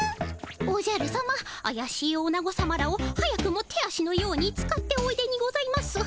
おじゃるさまあやしいオナゴさまらを早くも手足のように使っておいでにございます。